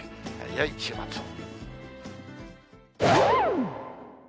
よい週末を。